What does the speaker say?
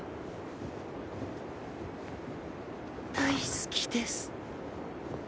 大好きです。